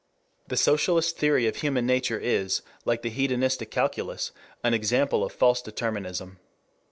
5 The socialist theory of human nature is, like the hedonistic calculus, an example of false determinism.